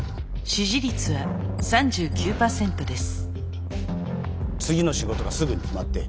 支持率は３４％です。